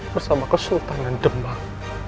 bersama kesultanan demak